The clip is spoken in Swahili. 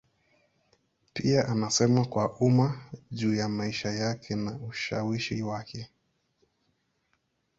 Pia anasema kwa umma juu ya maisha yake na ushawishi wake.